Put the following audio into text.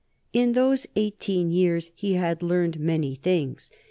In those eighteen years he had learned many things.